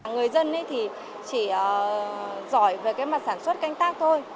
người dân thì chỉ giỏi về cái mặt sản xuất canh tác thôi